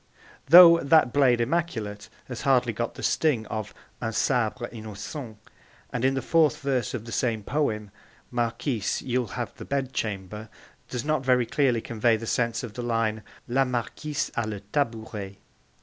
though 'that blade immaculate' has hardly got the sting of 'un sabre innocent'; and in the fourth verse of the same poem, 'Marquise, you'll have the bed chamber' does not very clearly convey the sense of the line 'La Marquise a le tabouret.'